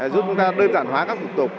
giúp chúng ta đơn giản hóa các phục tục